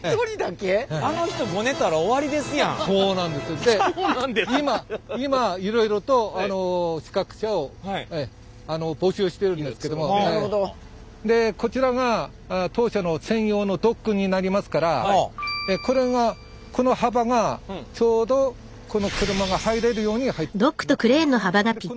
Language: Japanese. で今いろいろとでこちらが当社の専用のドックになりますからこれがこの幅がちょうどこの車が入れるようになってるんですね。